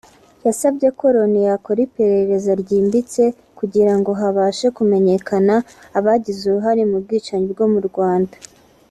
yasabye ko Loni yakora iperereza ryimbitse kugira ngo habashe kumenyekana abagize uruhare mu bwicanyi bwo mu Rwanda